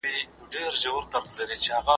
شاګرد ته اجازه ورکول کېږي پوښتنه وکړي.